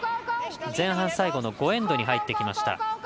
前半、最後の５エンドに入ってきました。